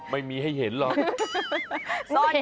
ไม่มีให้เห็นหรอก